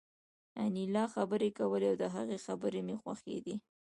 انیلا خبرې کولې او د هغې خبرې مې خوښېدې